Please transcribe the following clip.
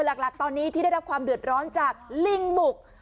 หลักตอนนี้ที่ได้รับความเดือดร้อนจากลิงบุก